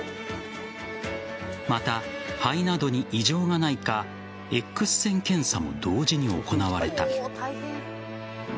また、肺などに異常がないかＸ線検査も同時に行われた。